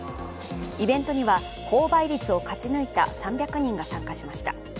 イベントには高倍率を勝ち抜いた３００人が参加しました。